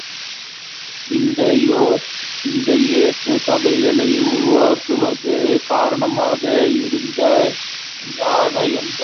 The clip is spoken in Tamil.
இந்த இயேசு சபைகளை உருவாக்குவதற்குக் காரணமாக இருந்தவர் இஞ்ஞாசியார் என்பவராவார்.